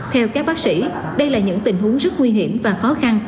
theo các bác sĩ đây là những tình huống rất nguy hiểm và khó khăn